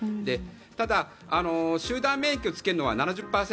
ただ、集団免疫をつけるのは７０％